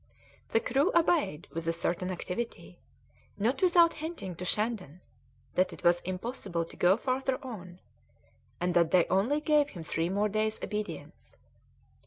The crew obeyed with a certain activity, not without hinting to Shandon that it was impossible to go further on, and that they only gave him three more days' obedience.